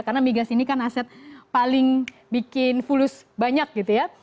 karena migas ini kan aset paling bikin fulus banyak gitu ya